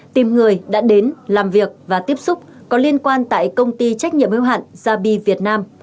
tìm người đã đến làm việc và tiếp xúc có liên quan tại công ty trách nhiệm hiệu hạn gia binh việt nam